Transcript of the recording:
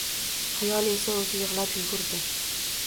Ayol esa o’zi yig’lab yugurdi